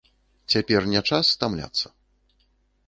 Цяпер не час стамляцца.